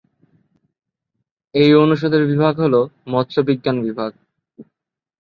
এই অনুষদের বিভাগ হলো: মৎস্য বিজ্ঞান বিভাগ।